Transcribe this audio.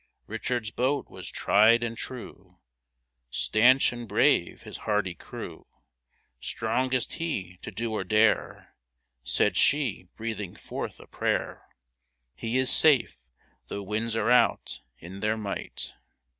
Richard's boat was tried and true ; Stanch and brave his hardy crew ; Strongest he to do or dare. Said she, breathing forth a prayer, " He is safe, though winds are out In their might